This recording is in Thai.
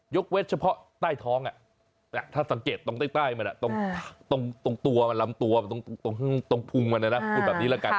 แล้วนะคะใต้ท้องาสังเกตตรงใต้มันตรงตัวมันลำตัวตรงตรงากลูบแบบนี้